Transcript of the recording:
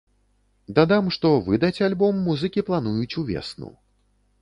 Дадам, што выдаць альбом музыкі плануюць увесну.